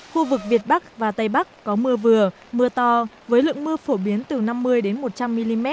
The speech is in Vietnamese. khu vực việt bắc và tây bắc có mưa vừa mưa to với lượng mưa phổ biến từ năm mươi một trăm linh mm